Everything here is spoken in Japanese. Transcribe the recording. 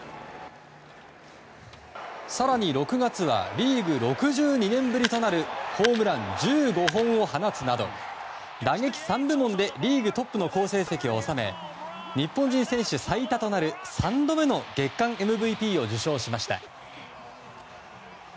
更に６月はリーグ６２年ぶりとなるホームラン１５本を放つなど打撃３部門でリーグトップの好成績を収め日本人選手最多となる３度目の月間ＭＶＰを受賞しました。